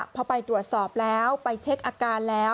พอไปตรวจสอบแล้วไปเช็คอาการแล้ว